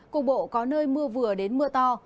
cục bộ có nơi mưa vừa đến mưa to